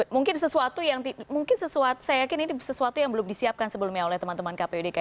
mungkin sesuatu yang mungkin saya yakin ini sesuatu yang belum disiapkan sebelumnya oleh teman teman kpu dki